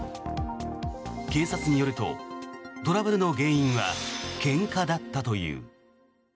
警察によるとトラブルの原因はけんかだったという。